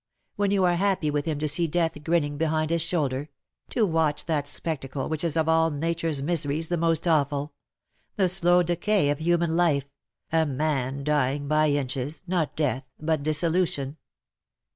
When you are liappy with him to see Death grinning behind his shoulder — to watch that spectacle which is of all Nature's miseries the most awful — the slow decay of human life — a man dying by inches — not deaths but dis solution